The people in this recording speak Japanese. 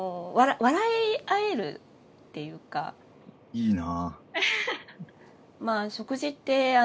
いいな。